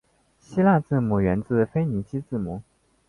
希腊字母源自腓尼基字母。